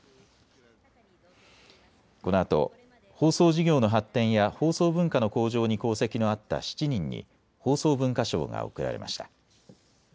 このあと放送事業の発展や放送文化の向上に功績のあった７人に放送文化賞が贈られました。